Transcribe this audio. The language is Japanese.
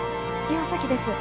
岩崎です。